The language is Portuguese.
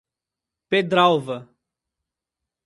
Pedralva